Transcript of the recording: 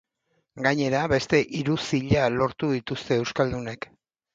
Gainera, beste hiru zila lortu dituzte euskaldunek.